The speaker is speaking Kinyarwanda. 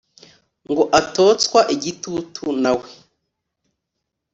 ngo atotswa igitutu nawe